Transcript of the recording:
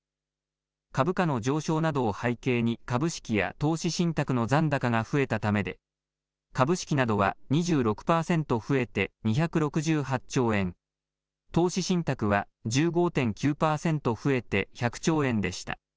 株価の上昇などを背景に株式や投資信託の残高が増えたためで株式などは２６％増えて２６８兆円、投資信託は１５．９％増えて１００兆円でした。